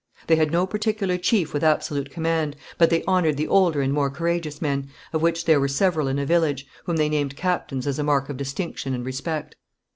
They had no particular chief with absolute command, but they honoured the older and more courageous men, of which there were several in a village, whom they named captains, as a mark of distinction and respect.